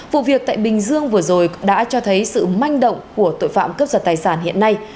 vụ việc tại bình dương vừa rồi đã cho thấy sự manh động của tội phạm cướp giật tài sản hiện nay